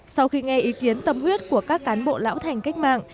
sau khi nghe ý kiến tâm huyết của các cán bộ lão thành cách mạng